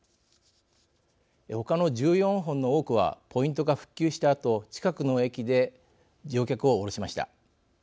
他の１４本の多くはポイントが復旧したあと近くの駅で乗客を降ろしました。